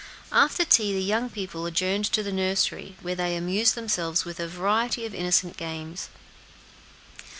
After tea the young people adjourned to the nursery, where they amused themselves with a variety of innocent games.